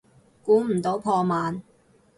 估唔到破万